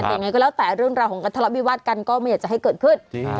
ยังไงก็แล้วแต่เรื่องราวของการทะเลาะวิวาสกันก็ไม่อยากจะให้เกิดขึ้น